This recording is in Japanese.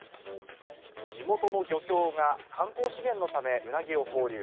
地元の漁協が観光資源のためウナギを放流。